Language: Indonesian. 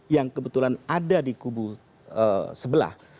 yang kebetulan ada di kubu sebelah